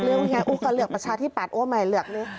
อ้วมัยเลือกประชาธิปัตย์อ้วมัยเลือก